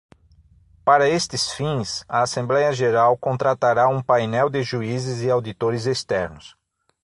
Para estes fins, a Assembleia Geral contratará um painel de juízes e auditores externos.